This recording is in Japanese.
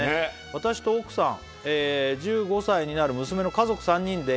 「私と奥さん１５歳になる娘の家族３人で」